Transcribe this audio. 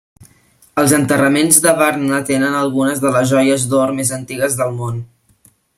Els enterraments de Varna tenen algunes de les joies d'or més antigues del món.